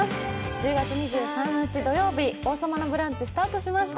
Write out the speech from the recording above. １０月２３日土曜日、「王様のブランチ」スタートしました。